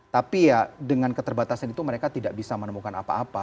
tapi ya dengan keterbatasan itu mereka tidak bisa menemukan apa apa